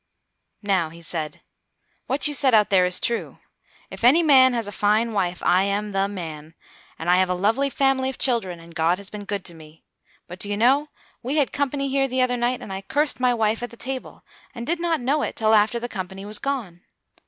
"Now," he said, "what you said out there is true. If any man has a fine wife, I am the man, and I have a lovely family of children, and God has been good to me. But, do you know, we had company here the other night, and I cursed my wife at the table, and did not know it till after the company was gone.